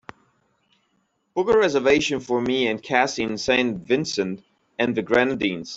Book a reservation for me and cassie in Saint Vincent and the Grenadines